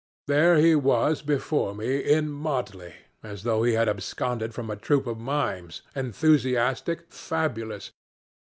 There he was before me, in motley, as though he had absconded from a troupe of mimes, enthusiastic, fabulous.